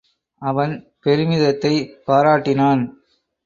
அவன் பெருமிதத்தைப் பாராட் டினான்.